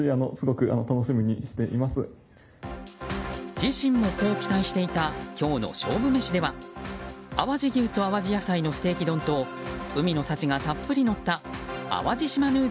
自身もこう期待していた今日の勝負メシでは淡路牛と淡路野菜のステーキ丼と海の幸がたっぷりのった淡路島ぬー